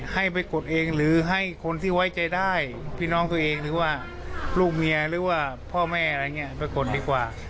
ให้ไปกดเองหรือให้คนที่ไว้ใจได้พี่น้องตัวเองหรือว่าลูกเมียหรือว่าพ่อแม่อะไรอย่างนี้ไปกดดีกว่า